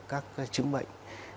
các chứng bệnh